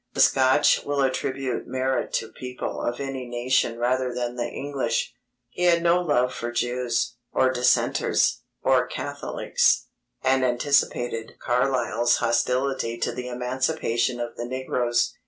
The Scotch will attribute merit to people of any nation rather than the English. He had no love for Jews, or Dissenters, or Catholics, and anticipated Carlyle's hostility to the emancipation of the negroes.